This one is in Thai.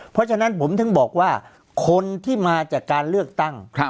เพราะฉะนั้นผมถึงบอกว่าคนที่มาจากการเลือกตั้ง